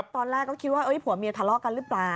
ก็ยืนตอนแรกไว้ไหมตอนแรกก็คิดว่าเอ้ยผัวเมียถาลอกกันรึเปล่า